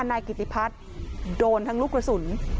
นายกิติพัฒน์โดนทั้งลูกกระสุน